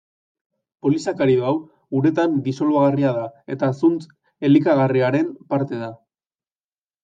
Polisakarido hau uretan disolbagarria da eta zuntz elikagarriaren parte da.